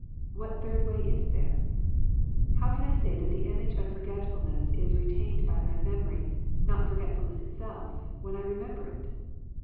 What third way is there ? How can I say that the image of forgetfulness is retained by my memory, not forgetfulness itself, when I remember it